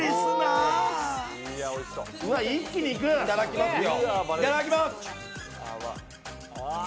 いただきますよ。